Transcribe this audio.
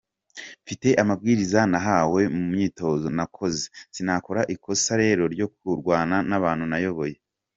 mfite amabwiriza nahawe mu myitozo nakoze; sinakora ikosa rero ryo kurwana n’abantu nayoboye.